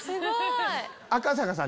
赤坂さん